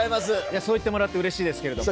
そう言ってもらってうれしいですけれども。